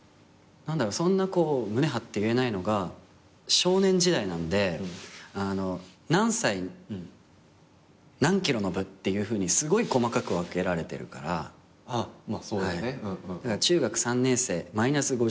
そんなこう胸張って言えないのが少年時代なんで何歳何キロの部っていうふうにすごい細かく分けられてるから中学３年生−５５ｋｇの部だったんで。